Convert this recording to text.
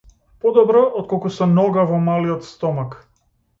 Подобро отколку со нога во малиот стомак.